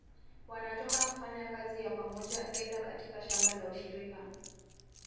Wanatoka kufanya kazi ya Pamoja aidha katika shamba la ushirika